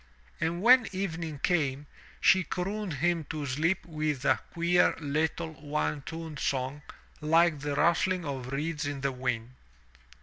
And when evening came, she crooned him to sleep with a queer, Httle, one toned song like the rustling of reeds in the wind.